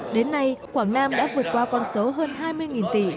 đến nay quảng nam đã vượt qua con số hơn hai mươi tỷ